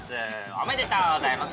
おめでとうございます。